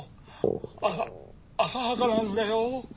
あさ浅はかなんだよ。